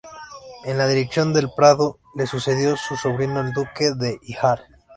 En la dirección del Prado le sucedió su sobrino el duque de Híjar.